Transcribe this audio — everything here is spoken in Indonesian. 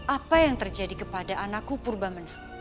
apa yang terjadi kepada anakku purba benang